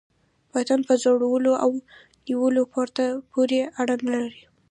متن په زوړوالي او نویوالي پوري اړه نه لري.